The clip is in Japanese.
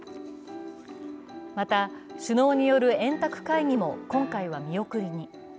また、首脳による円卓会議も今回は見送りに。